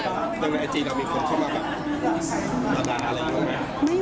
ในวิทยาลัยจีนเรามีคนที่มาแบบด่าอะไรก็ไม่มีค่ะ